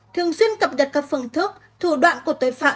thường xuyên cập nhật các phương thức thủ đoạn của tội phạm